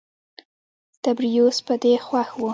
تبریوس په دې خوښ و.